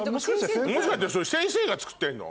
もしかしてそれ先生が作ってるの？